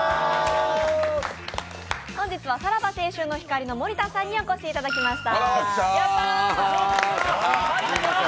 本日はさらば青春の光の森田さんにお越しいただきました。